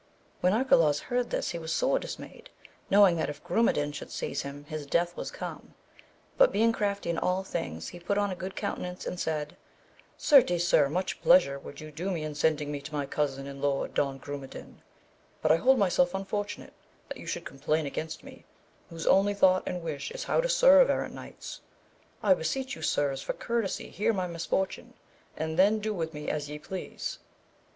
' When Arcalaus heard this he was sore dismayed, knowing that if Grumedan should see him his death AMADIS OF GAUL, 229 was come, but being crafty in all things he put on a good countenance and said, certes, sir, much pleasure would you do me in sending me to my cousin and Lord Don Grumedan, but I hold myself unfortunate that you should complain against me, whose only thought and wish is how to serve errant knights. I beseech you sirs for courtesy hear my misfortune, and then do with me as ye please.